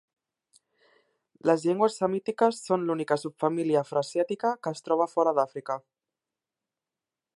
Les llengües semítiques són l'única subfamília afroasiàtica que es troba fora d'Àfrica.